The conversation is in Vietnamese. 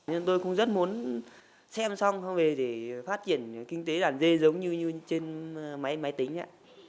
nên tôi cũng rất muốn xem xong về để phát triển kinh tế đàn dê giống như trên máy máy tính ạ